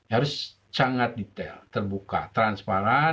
harus sangat detail terbuka transparan